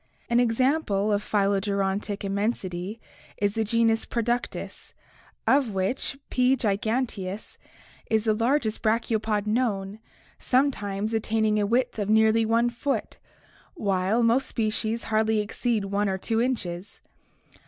An example of phylogerontic immensity is the genus Productus, of which P. giganteus is the largest brachiopod known, sometimes attaining a width of nearly i foot, while most'species hardly exceed i or 2 inches.